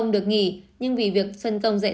được nghỉ nhưng vì việc xuân công dạy